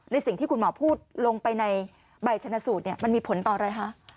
สิ่งที่คุณหมอพูดลงไปในใบชนะสูตรมันมีผลต่ออะไรคะ